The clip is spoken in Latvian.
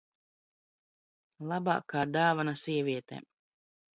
Labākā dāvana sievietēm.